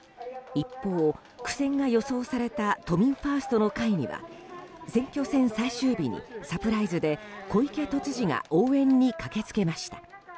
一方、苦戦が予想された都民ファーストの会には選挙戦最終日にサプライズで小池都知事が応援に駆け付けました。